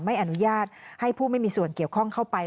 ไม่อนุญาตให้ผู้ไม่มีส่วนเกี่ยวข้องเข้าไป